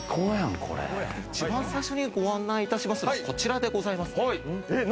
一番最初にご案内いたしますのはこちらでございます。